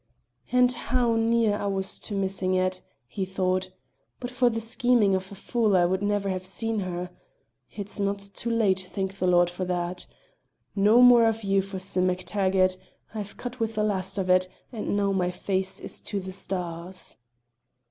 "And how near I was to missing it!" he thought. "But for the scheming of a fool I would never have seen her. It's not too late, thank the Lord for that! No more of yon for Sim MacTaggart. I've cut with the last of it, and now my face is to the stars."